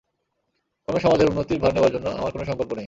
কোনো সমাজের উন্নতির ভার নেবার জন্যে আমার কোনো সংকল্প নেই।